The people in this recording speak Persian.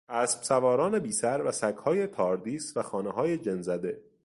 اسب سواران بیسر و سگهای تاردیس و خانههای جن زده